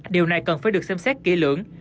điều này cần phải được xem xét kỹ lưỡng